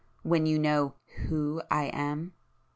... when you know WHO I am?"